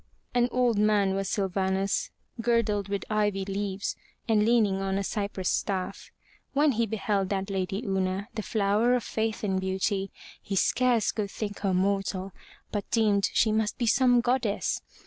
An old man was Sylvanus, girdled with ivy leaves, and leaning on a cypress staff. When he beheld that lady Una, the flower of faith and beauty, he scarce could think her mortal, but deemed she must be some goddess.